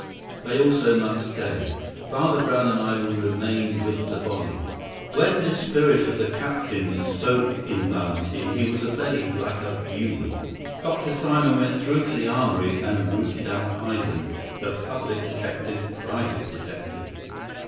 They also must stay. Father Brown and I will remain with the body." When this spirit of the captain spoke in Valentin he was obeyed like a bugle. Dr. Simon went through to the armoury and routed out Ivan, the public detective's private detective.